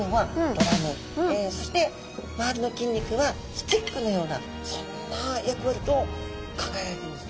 そして周りの筋肉はスティックのようなそんな役割と考えられているんですね。